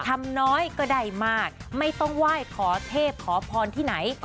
น้อยก็ได้มากไม่ต้องไหว้ขอเทพขอพรที่ไหน